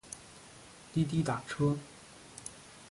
滴滴打车